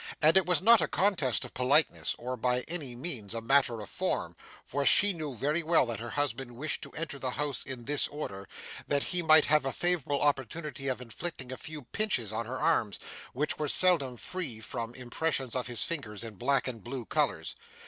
And it was not a contest of politeness, or by any means a matter of form, for she knew very well that her husband wished to enter the house in this order, that he might have a favourable opportunity of inflicting a few pinches on her arms, which were seldom free from impressions of his fingers in black and blue colours.